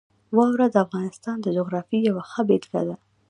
واوره د افغانستان د جغرافیې یوه ښه بېلګه ده.